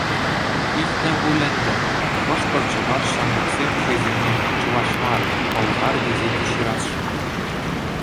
Илтнӗ пуль ӗнтӗ, хӑшпӗр чӑваш ҫамрӑкӗсем хӑйсене чӑваш мар, пӑлхар тесе те ҫырасшӑн.